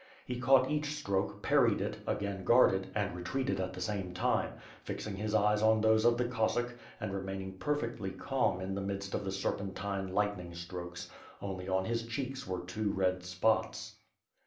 He caught each stroke, parried it, again guarded, and retreated at the same time, fixing his eyes on those of the Cossack, and remain ing perfectly calm in the midst of the serpentine lightning strokes; only on his cheeks were two red spots.